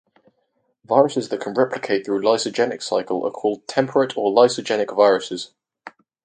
Viruses that can replicate through the lysogenic cycle are called temperate or lysogenic viruses.